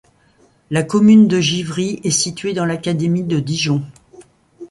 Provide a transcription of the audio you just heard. La commune de Givry est située dans l'académie de Dijon.